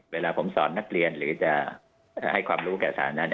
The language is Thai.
เวลาผมสอนนักเรียนหรือจะให้ความรู้แก่สถานะ